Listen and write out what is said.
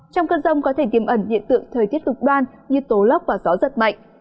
trong cơn rông có thể tìm ẩn diện tượng thời tiết cực đoan như tố lóc và gió giật mạnh